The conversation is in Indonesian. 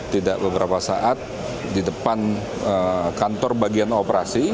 tidak beberapa saat di depan kantor bagian operasi